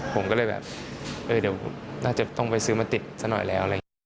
ผมก็เลยแบบเออเดี๋ยวน่าจะต้องไปซื้อมาติดสักหน่อยแล้ว